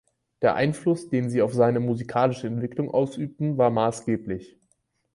Der Einfluss, den sie auf seine musikalische Entwicklung ausübten, war maßgeblich.